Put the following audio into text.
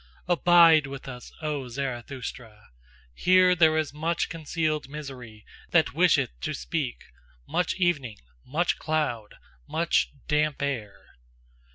Abide with us, O Zarathustra! Here there is much concealed misery that wisheth to speak, much evening, much cloud, much damp air!